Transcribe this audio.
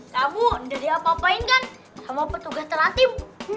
kamu udah diapa apain kan sama petugas teratim